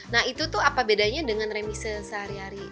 nah itu tuh apa bedanya dengan remisi sehari hari